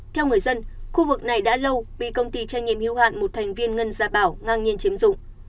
theo người dân khu vực này đã lâu bị công ty trang nghiệm hữu hạn một thành viên ngân gia bảo ngang nhiên chiếm dụng